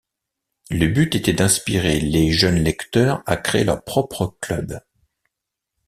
Le but était d'inspirer les jeunes lecteurs à créer leur propre club.